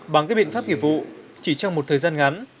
bằng các biện pháp nghiệp vụ chỉ trong một thời gian ngắn